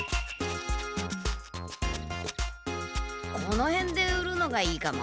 このへんで売るのがいいかも。